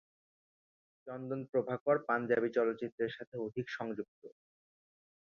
চন্দন প্রভাকর পাঞ্জাবি চলচ্চিত্রের সাথে অধিক সংযুক্ত।